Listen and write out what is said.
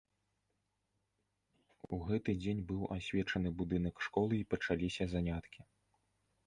У гэты дзень быў асвечаны будынак школы і пачаліся заняткі.